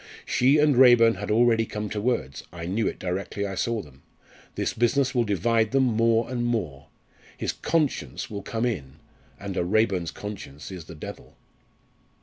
She and Raeburn had already come to words I knew it directly I saw them. This business will divide them more and more. His conscience will come in and a Raeburn's conscience is the devil!